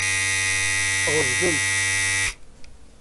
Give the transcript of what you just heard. Ɣeẓnent.